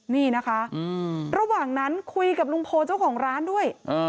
นี่นะคะระหว่างนั้นคุยกับลุงโพเจ้าของร้านด้วย